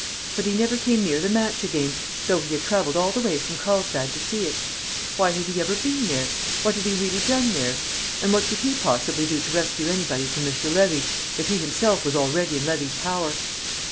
But he never came near the match again though he had travelled all the way from Carlsbad to see it! Why had he ever been there? What had he really done there? And what could he possibly do to rescue anybody from Mr. Levy, if he himself was already in Levy's power?"